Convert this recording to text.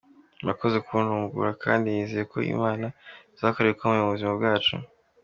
Murakoze kuntungura kandi nizeye ko n’Imana izakora ibikomeye mu buzima bwacu.